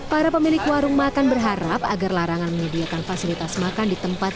para pemilik warung makan berharap agar larangan menyediakan fasilitas makan di tempat